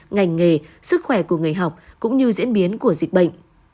ngành nghề sức khỏe của người học cũng như diễn biến của dịch bệnh